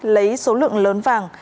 lấy số lượng lớn vàng